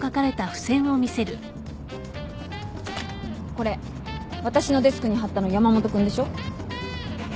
これ私のデスクに貼ったの山本君でしょ？